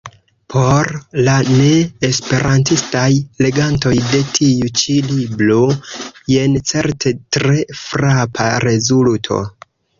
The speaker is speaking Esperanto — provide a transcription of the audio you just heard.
Por la ne-esperantistaj legantoj de tiu ĉi libro jen certe tre frapa rezulto.